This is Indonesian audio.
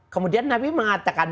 kemudian nabi mengatakan